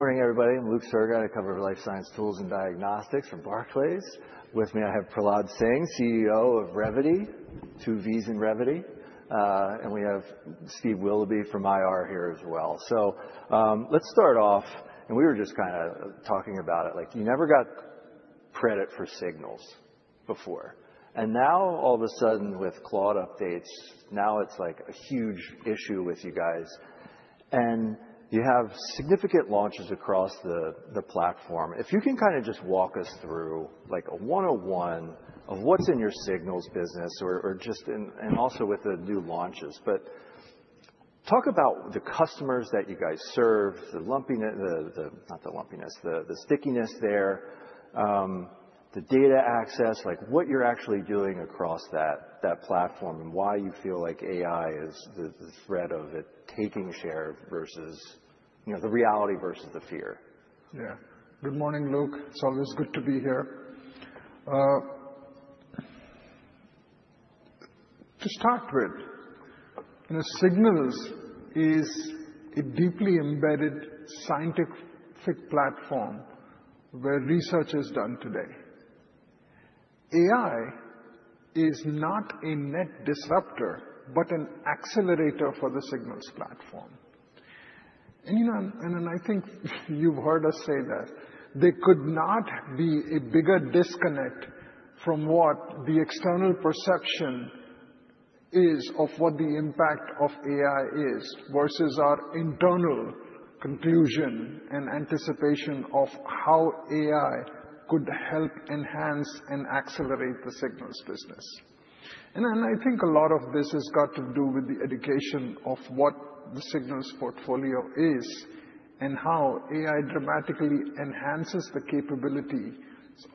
Morning, everybody. I'm Luke Sergott. I cover life science tools and diagnostics from Barclays. With me, I have Prahlad Singh, CEO of Revvity, two V's in Revvity. We have Steve Willoughby from IR here as well. Let's start off. We were just kinda talking about it, like, you never got credit for Signals before. Now all of a sudden with cloud updates, now it's like a huge issue with you guys. You have significant launches across the platform. If you can kinda just walk us through, like, a one-on-one of what's in your Signals business or just and also with the new launches. Talk about the customers that you guys serve, the lumpiness, the. not the lumpiness, the stickiness there, the data access, like what you're actually doing across that platform, and why you feel like AI is the threat of it taking share versus, you know, the reality versus the fear? Yeah. Good morning, Luke. It's always good to be here. To start with, the Signals is a deeply embedded scientific platform where research is done today. AI is not a net disruptor, but an accelerator for the Signals platform. You know, and then I think you've heard us say that there could not be a bigger disconnect from what the external perception is of what the impact of AI is versus our internal conclusion and anticipation of how AI could help enhance and accelerate the Signals business. I think a lot of this has got to do with the education of what the Signals portfolio is and how AI dramatically enhances the capability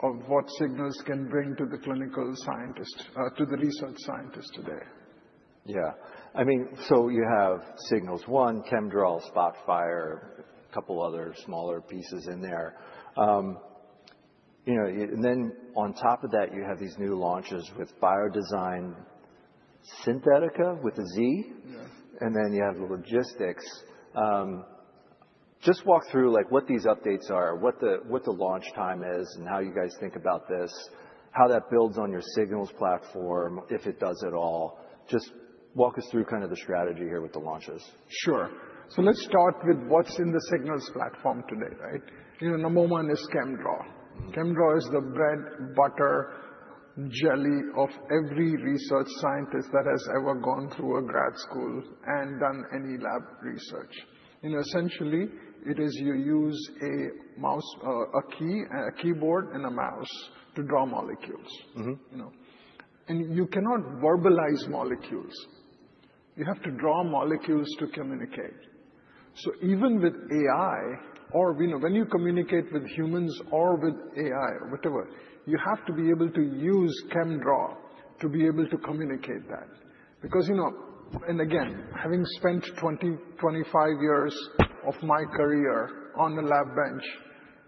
of what Signals can bring to the clinical scientist, to the research scientist today. Yeah. I mean, you have Signals One, ChemDraw, Spotfire, couple other smaller pieces in there. You know, then on top of that, you have these new launches with BioDesign, Xynthetica. Yes. You have the logistics. Just walk through, like, what these updates are, what the launch time is, and how you guys think about this, how that builds on your Signals platform, if it does at all. Just walk us through kind of the strategy here with the launches. Let's start with what's in the Signals platform today, right? You know, number one is ChemDraw. ChemDraw is the bread, butter, jelly of every research scientist that has ever gone through a grad school and done any lab research. You know, essentially, it is, you use a keyboard and a mouse to draw molecules. Mm-hmm. You know? You cannot verbalize molecules. You have to draw molecules to communicate. Even with AI or, you know, when you communicate with humans or with AI, whatever, you have to be able to use ChemDraw to be able to communicate that. Because, you know, and again, having spent 20-25 years of my career on the lab bench,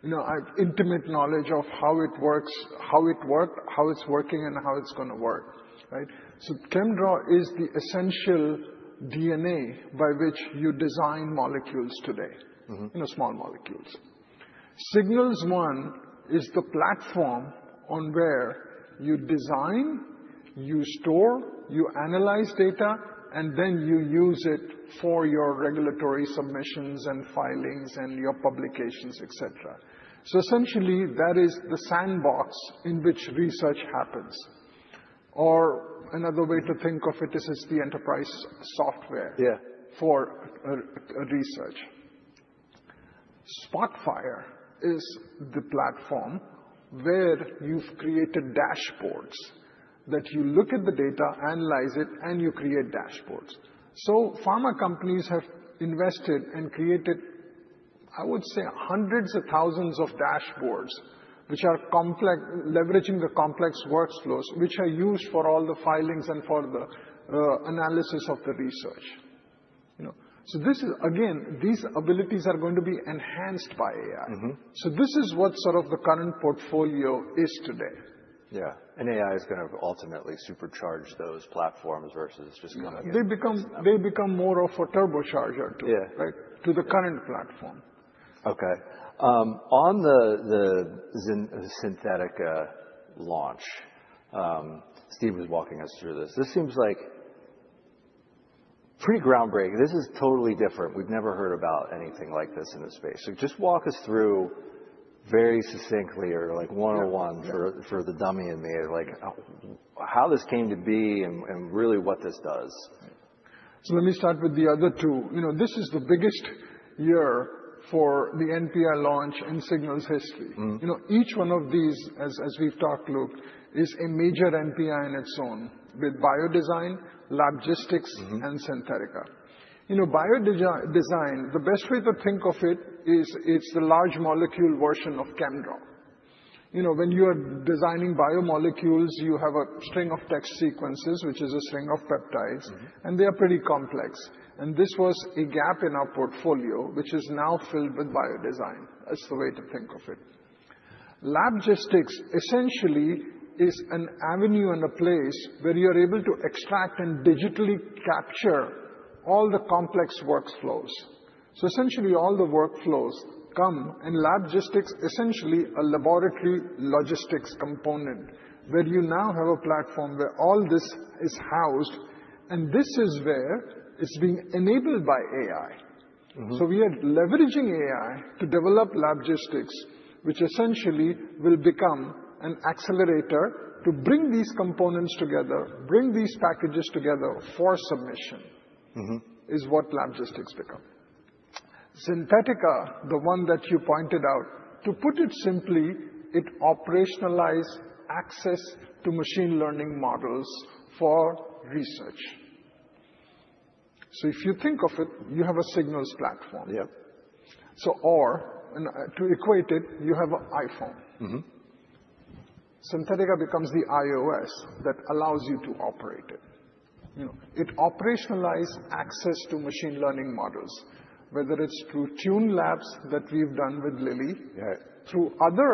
you know, I've intimate knowledge of how it works, how it worked, how it's working, and how it's gonna work, right? ChemDraw is the essential DNA by which you design molecules today. Mm-hmm. You know, small molecules. Signals One is the platform on where you design, you store, you analyze data, and then you use it for your regulatory submissions and filings and your publications, et cetera. Essentially, that is the sandbox in which research happens. Another way to think of it is it's the enterprise software. Yeah For a research. Spotfire is the platform where you've created dashboards, that you look at the data, analyze it, and you create dashboards. Pharma companies have invested and created, I would say, hundreds of thousands of dashboards, which are complex, leveraging the complex workflows, which are used for all the filings and for the analysis of the research. You know. This is, again, these abilities are going to be enhanced by AI. Mm-hmm. This is what sort of the current portfolio is today. Yeah. AI is gonna ultimately supercharge those platforms versus just kind of. They become more of a turbocharger. Yeah Right? To the current platform. Okay. On the Signals Xynthetica launch, Steve was walking us through this. This seems like pretty groundbreaking. This is totally different. We've never heard about anything like this in this space. Just walk us through very succinctly or like one-on-one. Yeah. For the dummy in me, like, how this came to be and really what this does. let me start with the other two. You know, this is the biggest year for the NPI launch in Signals history. Mm. You know, each one of these, as we've talked, Luke, is a major NPI on its own with Signals BioDesign, Signals LabGistics. Mm-hmm Xynthetica. You know, BioDesign, the best way to think of it is it's the large molecule version of ChemDraw. You know, when you are designing biomolecules, you have a string of text sequences, which is a string of peptides. Mm-hmm. They are pretty complex. This was a gap in our portfolio, which is now filled with BioDesign. That's the way to think of it. LabGistics essentially is an avenue and a place where you're able to extract and digitally capture all the complex workflows. Essentially all the workflows come, and LabGistics, essentially a laboratory logistics component, where you now have a platform where all this is housed, and this is where it's being enabled by AI. Mm-hmm. We are leveraging AI to develop LabGistics, which essentially will become an accelerator to bring these components together, bring these packages together for submission. Mm-hmm is what LabGistics become. Xynthetica, the one that you pointed out, to put it simply, it operationalize access to machine learning models for research. If you think of it, you have a Signals platform. Yeah. To equate it, you have an iPhone. Mm-hmm. Xynthetica becomes the iOS that allows you to operate it. You know, it operationalize access to machine learning models, whether it's through TuneLab that we've done with Lilly- Yeah. through other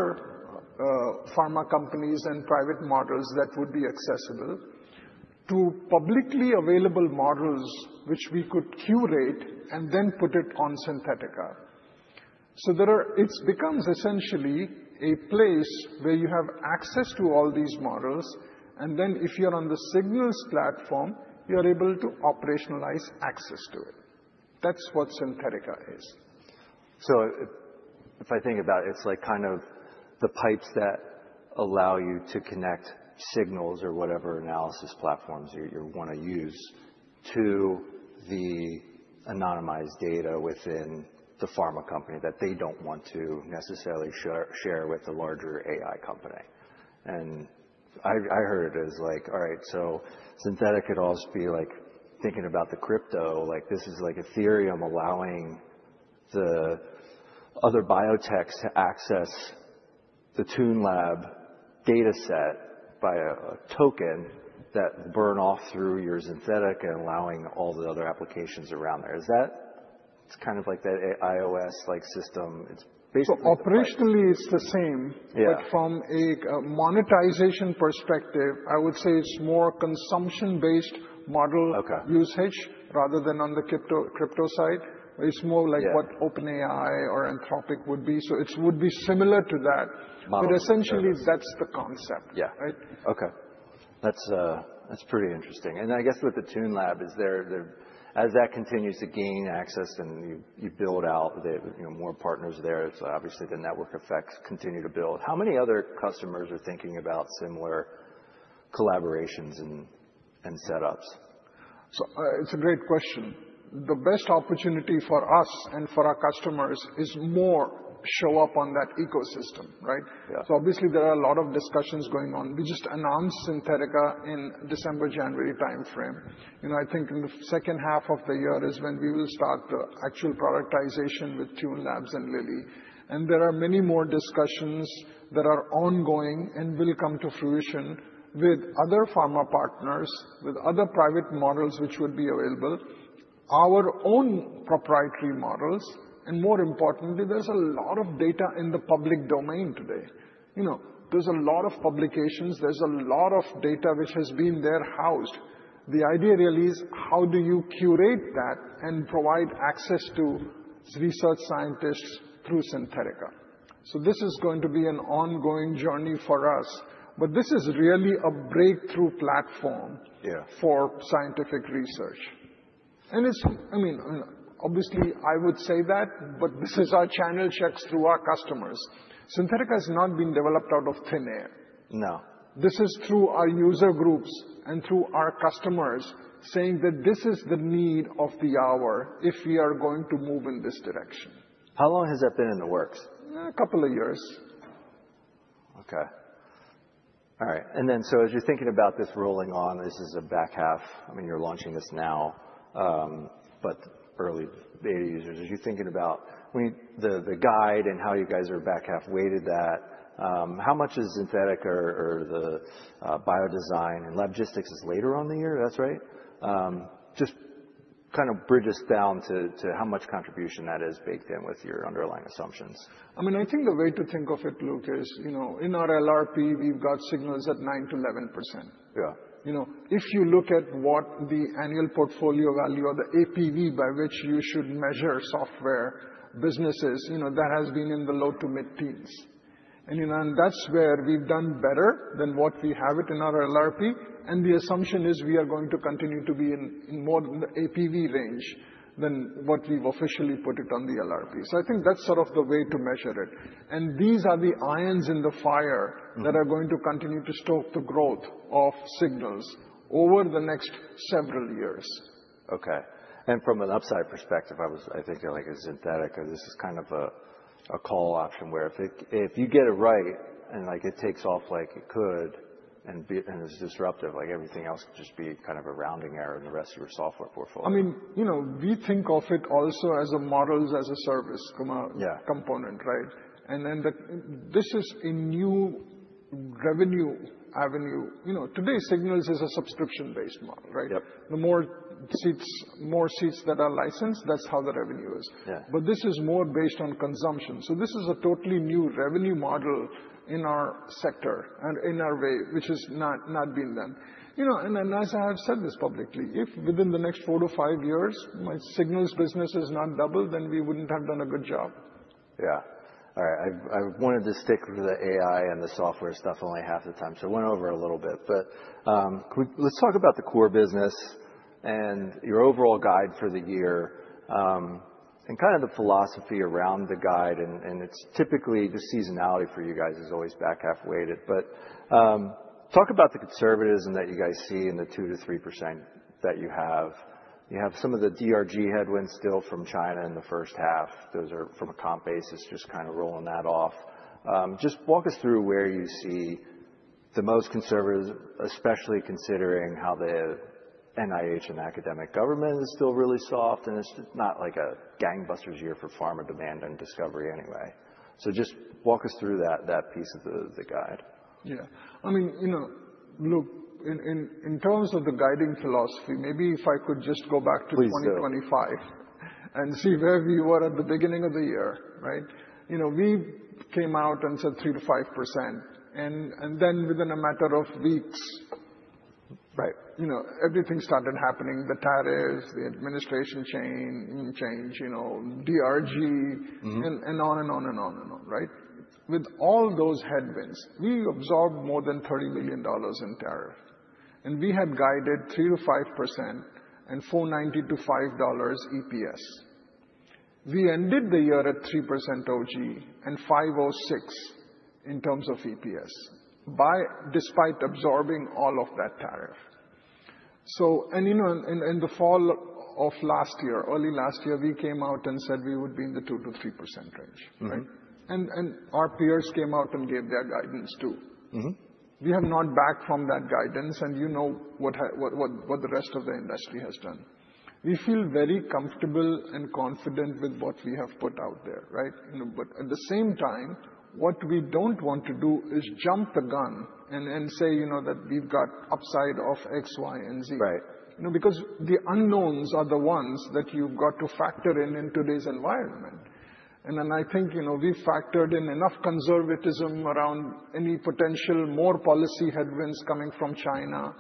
pharma companies and private models that would be accessible to publicly available models which we could curate and then put it on Xynthetica. It becomes essentially a place where you have access to all these models, and then if you're on the Signals platform, you're able to operationalize access to it. That's what Xynthetica is. If I think about it's like kind of the pipes that allow you to connect Signals or whatever analysis platforms you wanna use to the anonymized data within the pharma company that they don't want to necessarily share with the larger AI company. I heard it as like, all right, Xynthetica could also be like thinking about the crypto. Like, this is like Ethereum allowing the other biotechs to access the TuneLab data set by a token that burn off through your Xynthetica and allowing all the other applications around there. Is that? It's kind of like that iOS-like system. It's basically. Operationally it's the same. Yeah. From a monetization perspective, I would say it's more consumption-based model- Okay usage rather than on the crypto side. It's more like. Yeah what OpenAI or Anthropic would be. It would be similar to that. Model. Okay. Essentially that's the concept. Yeah. Right? Okay. That's pretty interesting. I guess with the TuneLab, as that continues to gain access and you build out the, you know, more partners there, it's obviously the network effects continue to build. How many other customers are thinking about similar collaborations and setups? It's a great question. The best opportunity for us and for our customers is more show up on that ecosystem, right? Yeah. Obviously there are a lot of discussions going on. We just announced Xynthetica in December, January timeframe. You know, I think in the H2 of the year is when we will start the actual productization with TuneLab and Lilly. There are many more discussions that are ongoing and will come to fruition with other pharma partners, with other private models which would be available. Our own proprietary models, and more importantly, there's a lot of data in the public domain today. You know, there's a lot of publications, there's a lot of data which has been there housed. The idea really is how do you curate that and provide access to research scientists through Xynthetica. This is going to be an ongoing journey for us, but this is really a breakthrough platform. Yeah For scientific research. It's, I mean, obviously, I would say that, but this is our channel checks through our customers. Xynthetica has not been developed out of thin air. No. This is through our user groups and through our customers saying that this is the need of the hour if we are going to move in this direction. How long has that been in the works? A couple of years. Okay. All right. As you're thinking about this rolling on, this is a back half. I mean, you're launching this now, but early beta users. As you're thinking about the guide and how you guys are back half weighted that, how much is Xynthetica or the BioDesign and LabGistics later in the year. That's right? Just kind of bridge us down to how much contribution that is baked in with your underlying assumptions. I mean, I think the way to think of it, Luke, is, you know, in our LRP, we've got Signals at 9%-11%. Yeah. You know, if you look at what the annual portfolio value or the APV by which you should measure software businesses, you know, that has been in the low- to mid-teens. You know, that's where we've done better than what we have in our LRP. The assumption is we are going to continue to be in more APV range than what we've officially put in the LRP. I think that's sort of the way to measure it. These are the irons in the fire. Mm-hmm that are going to continue to stoke the growth of Signals over the next several years. Okay. From an upside perspective, I was thinking like a Xynthetica, this is kind of a call option where if you get it right and like it takes off like it could and is disruptive, like everything else would just be kind of a rounding error in the rest of your software portfolio. I mean, you know, we think of it also as a models, as a service com- Yeah This is a new revenue avenue, you know. Today, Signals is a subscription-based model, right? Yep. The more seats that are licensed, that's how the revenue is. Yeah. This is more based on consumption. This is a totally new revenue model in our sector and in our way, which has not been done. You know, and as I have said this publicly, if within the next four-five years, my Signals business is not doubled, then we wouldn't have done a good job. Yeah. All right. I wanted to stick to the AI and the software stuff only half the time, so I went over a little bit. Could we, let's talk about the core business and your overall guide for the year, and kinda the philosophy around the guide. It's typically the seasonality for you guys is always back half-weighted. Talk about the conservatism that you guys see in the 2%-3% that you have. You have some of the DRG headwinds still from China in the first half. Those are from a comp basis, just kinda rolling that off. Just walk us through where you see the most conservative, especially considering how the NIH and academic and government is still really soft, and it's just not like a gangbusters year for pharma demand and discovery anyway. Just walk us through that piece of the guide. Yeah. I mean, you know, Luke, in terms of the guiding philosophy, maybe if I could just go back to. Please do. 2025 and see where we were at the beginning of the year, right? You know, we came out and said 3%-5%. Then within a matter of weeks, right, you know, everything started happening, the tariffs, the administration change, you know, DRG- Mm-hmm. and on and on, right? With all those headwinds, we absorbed more than $30 billion in tariff, and we had guided 3%-5% and $4.9-$5 EPS. We ended the year at 3% OG and $5.06 in terms of EPS despite absorbing all of that tariff. You know, in the fall of last year, early last year, we came out and said we would be in the 2%-3%. Mm-hmm. Right? Our peers came out and gave their guidance too. Mm-hmm. We have not backed away from that guidance, and you know what the rest of the industry has done. We feel very comfortable and confident with what we have put out there, right? You know, at the same time, what we don't want to do is jump the gun and say, you know, that we've got upside of X, Y, and Z. Right. You know, because the unknowns are the ones that you've got to factor in in today's environment. I think, you know, we factored in enough conservatism around any potential more policy headwinds coming from China.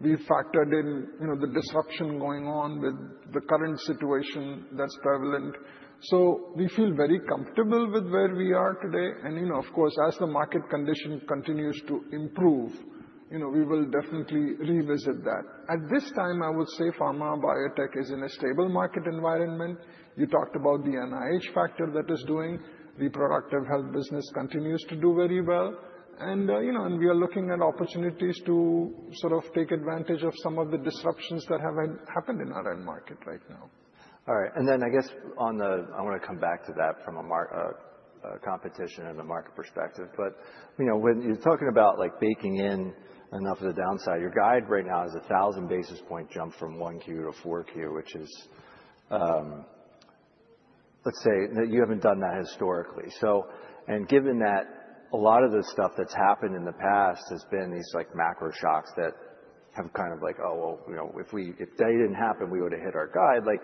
We factored in, you know, the disruption going on with the current situation that's prevalent. We feel very comfortable with where we are today. You know, of course, as the market condition continues to improve, you know, we will definitely revisit that. At this time, I would say pharma biotech is in a stable market environment. You talked about the NIH factor that is doing. The reproductive health business continues to do very well. You know, and we are looking at opportunities to sort of take advantage of some of the disruptions that have happened in our end market right now. All right. Then I guess I want to come back to that from a competition and a market perspective. You know, when you're talking about like baking in enough of the downside, your guide right now is a 1,000 basis point jump from 1Q to 4Q, which is, let's say that you haven't done that historically. Given that a lot of the stuff that's happened in the past has been these like macro shocks that have kind of like, oh, well, you know, if they didn't happen, we would've hit our guide. Like,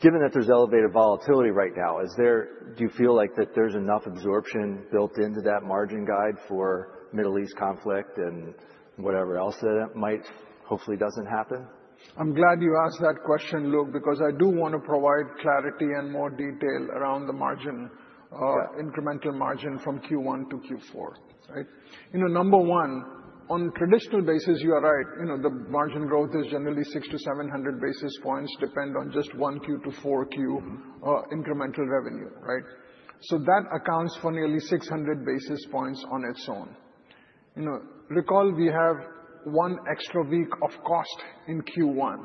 given that there's elevated volatility right now, do you feel like that there's enough absorption built into that margin guide for Middle East conflict and whatever else that might hopefully doesn't happen? I'm glad you asked that question, Luke, because I do wanna provide clarity and more detail around the margin. Yeah. incremental margin from Q1 to Q4, right? You know, number one, on traditional basis, you are right. You know, the margin growth is generally 600-700 basis points, depending on Q1 to Q4 incremental revenue, right? So that accounts for nearly 600 basis points on its own. You know, recall we have one extra week of cost in Q1,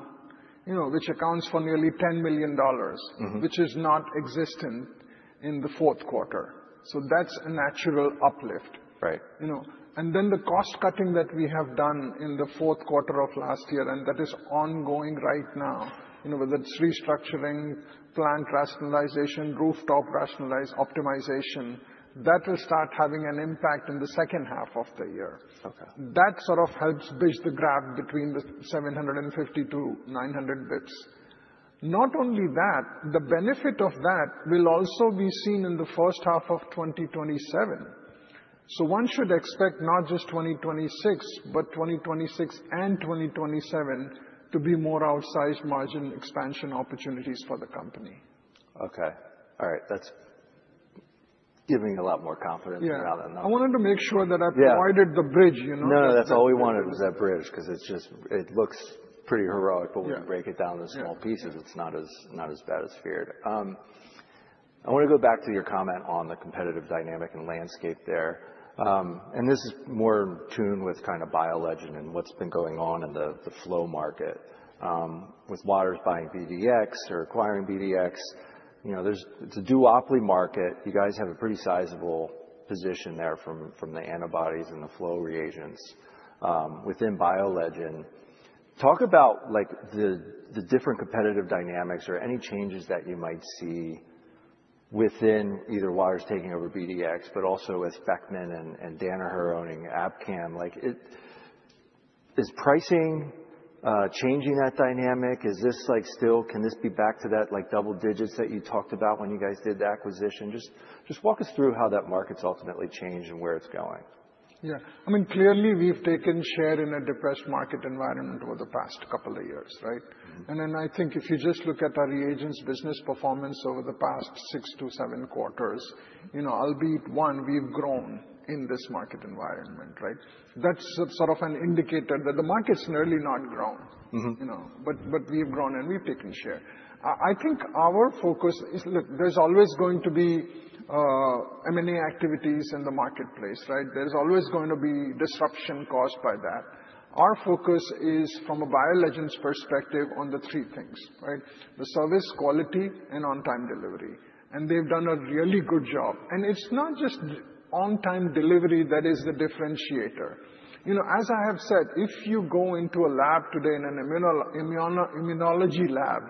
you know, which accounts for nearly $10 million. Mm-hmm. which is not existent in the fourth quarter. That's a natural uplift. Right. You know, the cost-cutting that we have done in the fourth quarter of last year, and that is ongoing right now, you know, whether it's restructuring, plant rationalization, footprint rationalization, optimization, that will start having an impact in the H2 of the year. Okay. That sort of helps bridge the gap between the 750-900 bps. Not only that, the benefit of that will also be seen in the first half of 2027. One should expect not just 2026, but 2026 and 2027 to be more outsized margin expansion opportunities for the company. Okay. All right. That's giving a lot more confidence around the numbers. Yeah. I wanted to make sure that. Yeah. provided the bridge, you know. No, that's all we wanted was that bridge 'cause it's just, it looks pretty heroic. Yeah. when you break it down to small pieces, it's not as bad as feared. I wanna go back to your comment on the competitive dynamic and landscape there. This is more in tune with kinda BioLegend and what's been going on in the flow market, with Waters buying BDX or acquiring BDX. You know, it's a duopoly market. You guys have a pretty sizable position there from the antibodies and the flow reagents within BioLegend. Talk about like, the different competitive dynamics or any changes that you might see within either Waters taking over BDX, but also with Beckman and Danaher owning Abcam. Like, is pricing changing that dynamic? Is this like still can this be back to that like double digits that you talked about when you guys did the acquisition? Just walk us through how that market's ultimately changed and where it's going. Yeah, I mean, clearly, we've taken share in a depressed market environment over the past couple of years, right? Mm-hmm. I think if you just look at our reagents business performance over the past six-seven quarters, you know, albeit, one, we've grown in this market environment, right? That's sort of an indicator that the market's really not grown. Mm-hmm. You know, we've grown and we've taken share. I think our focus is. Look, there's always going to be M&A activities in the marketplace, right? There's always going to be disruption caused by that. Our focus is from a BioLegend's perspective on the three things, right? The service, quality, and on-time delivery. They've done a really good job. It's not just on-time delivery that is the differentiator. You know, as I have said, if you go into a lab today in an immunology lab,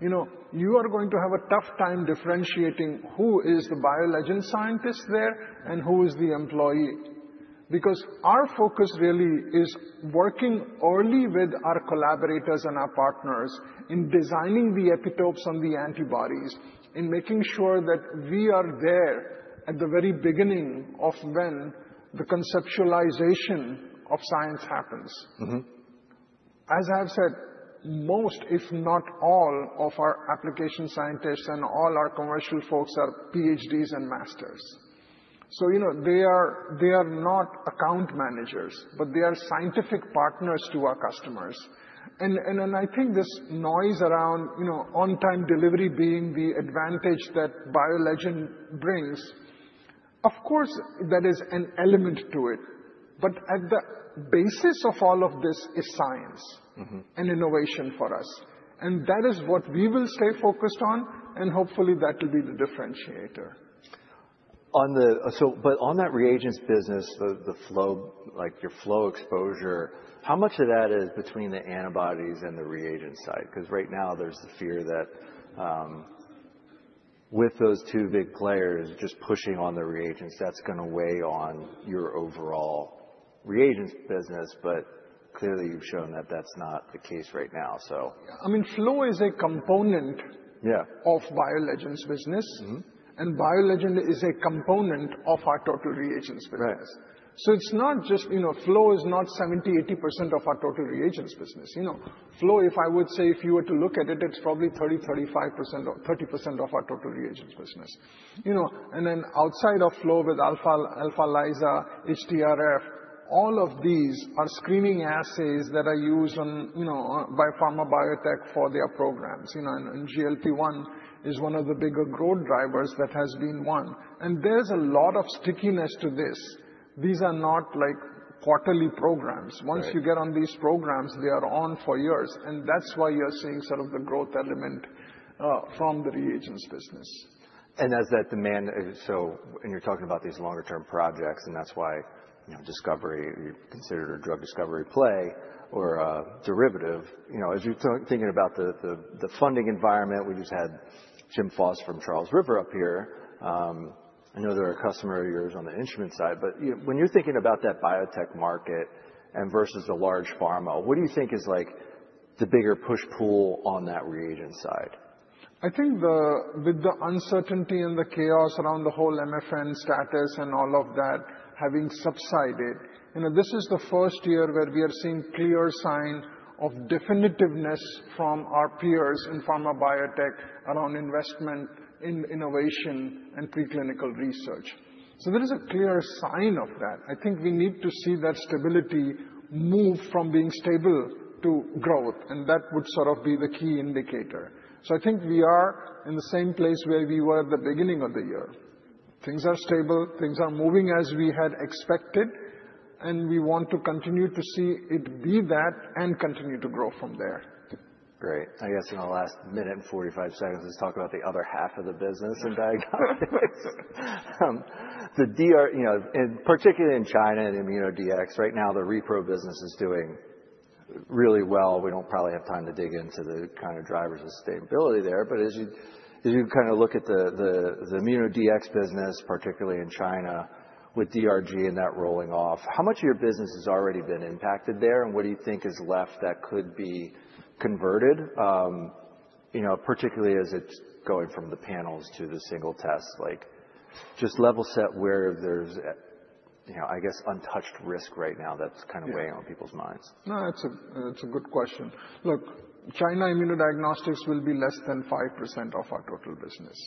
you know, you are going to have a tough time differentiating who is the BioLegend scientist there and who is the employee. Because our focus really is working only with our collaborators and our partners in designing the epitopes on the antibodies and making sure that we are there at the very beginning of when the conceptualization of science happens. Mm-hmm. As I've said, most if not all of our application scientists and all our commercial folks are PhDs and masters. You know, they are not account managers, but they are scientific partners to our customers. I think this noise around, you know, on-time delivery being the advantage that BioLegend brings, of course, there is an element to it. At the basis of all of this is science. Mm-hmm. innovation for us. That is what we will stay focused on, and hopefully, that will be the differentiator. on that reagents business, the flow, like your flow exposure, how much of that is between the antibodies and the reagent side? 'Cause right now there's the fear that, with those two big players just pushing on the reagents, that's gonna weigh on your overall reagents business. Clearly, you've shown that that's not the case right now, so. I mean, flow is a component. Yeah. of BioLegend's business. Mm-hmm. BioLegend is a component of our total reagents business. Right. It's not just, you know, flow is not 70%-80% of our total reagents business. You know, flow, if I would say, if you were to look at it's probably 30%-35% or 30% of our total reagents business. You know, and then outside of flow with Alpha, AlphaLISA, HTRF, all of these are screening assays that are used on, you know, by pharma biotech for their programs. You know, and GLP-1 is one of the bigger growth drivers that has been one. There's a lot of stickiness to this. These are not like quarterly programs. Right. Once you get on these programs, they are on for years. That's why you're seeing sort of the growth element from the reagents business. As that demand when you're talking about these longer-term projects, and that's why, you know, discovery, you're considered a drug discovery play or a derivative. You know, as you're thinking about the funding environment, we just had James C. Foster from Charles River Laboratories up here. I know they're a customer of yours on the instrument side. When you're thinking about that biotech market and versus the large pharma, what do you think is like the bigger push-pull on that reagent side? I think with the uncertainty and the chaos around the whole MFN status and all of that having subsided, you know, this is the first year where we are seeing clear signs of definitiveness from our peers in pharma biotech around investment in innovation and preclinical research. There is a clear sign of that. I think we need to see that stability move from being stable to growth, and that would sort of be the key indicator. I think we are in the same place where we were at the beginning of the year. Things are stable, things are moving as we had expected, and we want to continue to see it be that and continue to grow from there. Great. I guess in the last minute and 45 seconds, let's talk about the other half of the business in diagnostics. You know, and particularly in China, in Immunodiagnostics, right now, the repro business is doing really well. We don't probably have time to dig into the kind of drivers of stability there. But as you kind of look at the Immunodiagnostics business, particularly in China, with DRG and that rolling off, how much of your business has already been impacted there, and what do you think is left that could be converted, you know, particularly as it's going from the panels to the single test. Like, just level set where there's, you know, I guess, untouched risk right now that's kind of. Yeah. Weighing on people's minds. No, it's a good question. Look, China Immunodiagnostics will be less than 5% of our total business.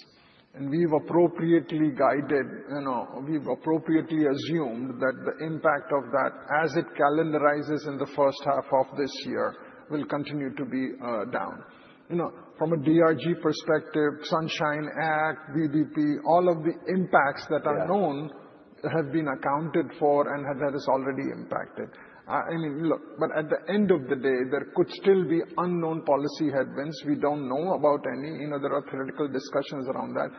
We've appropriately guided, you know, we've appropriately assumed that the impact of that as it calendarizes in the first half of this year will continue to be down. You know, from a DRG perspective, Sunshine Act, VBP, all of the impacts that are known. Yeah. have been accounted for and that is already impacted. I mean, look, but at the end of the day, there could still be unknown policy headwinds. We don't know about any. You know, there are theoretical discussions around that.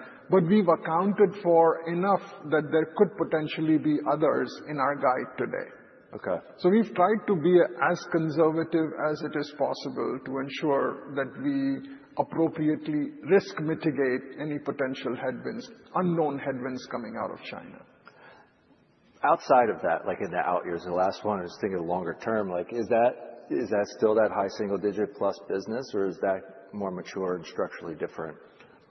We've accounted for enough that there could potentially be others in our guide today. Okay. We've tried to be as conservative as it is possible to ensure that we appropriately risk mitigate any potential headwinds, unknown headwinds coming out of China. Outside of that, like in the out years, the last one, I was thinking longer term, like is that still that high single digit plus business or is that more mature and structurally different?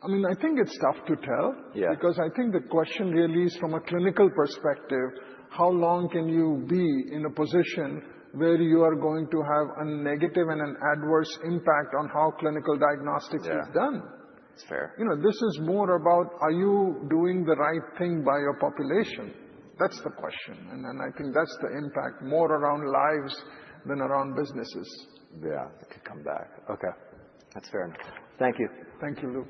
I mean, I think it's tough to tell. Yeah. Because I think the question really is from a clinical perspective, how long can you be in a position where you are going to have a negative and an adverse impact on how clinical diagnostics is done? Yeah. It's fair. You know, this is more about are you doing the right thing by your population? That's the question. I think that's the impact more around lives than around businesses. Yeah. It could come back. Okay. That's fair enough. Thank you. Thank you, Luke.